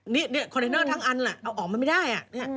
นี่คอนเทนเนอร์ทั้งอันเอาออกมาไม่ได้